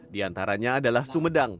di antaranya adalah sumedang